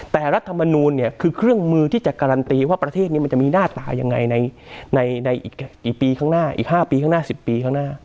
แต่รัฐมนูลเนี่ยคือเครื่องมือที่จะการันตีว่าประเทศนี้มันจะมีหน้าตายังไงในอีกกี่ปีข้างหน้าอีก๕ปีข้างหน้า๑๐ปีข้างหน้า